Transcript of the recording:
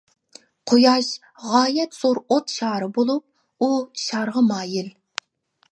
قۇياش غايەت زور ئوت شارى بولۇپ ئۇ شارغا مايىل.